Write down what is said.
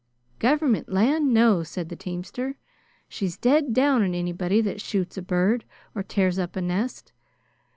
"Government land! No!" said the teamster. "She's dead down on anybody that shoots a bird or tears up a nest.